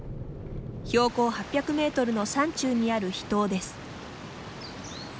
標高８００メートルの山中にある秘湯です。